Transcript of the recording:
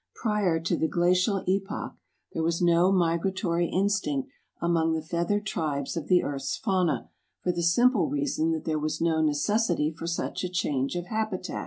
Prior to the Glacial Epoch there was no migratory instinct among the feathered tribes of the earth's fauna for the simple reason that there was no necessity for such a change of habitat.